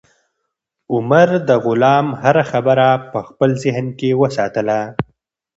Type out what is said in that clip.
عمر د غلام هره خبره په خپل ذهن کې وساتله.